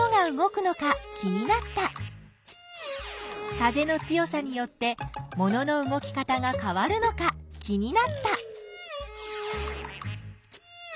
風の強さによってものの動き方がかわるのか気になった。